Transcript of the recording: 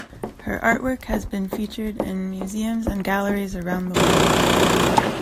Her artwork has been featured in museums and galleries around the world.